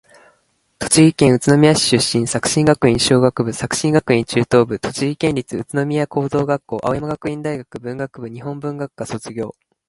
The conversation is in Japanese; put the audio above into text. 栃木県宇都宮市出身。作新学院小学部、作新学院中等部、栃木県立宇都宮高等学校、青山学院大学文学部日本文学科卒業。